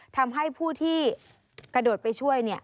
ทำให้ผู้ที่กระโดดไปช่วย